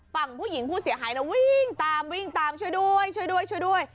ฝั่งผู้หญิงผู้เสียหายนะวิ่งตามวิ่งตามช่วยด้วยช่วยด้วยช่วยด้วย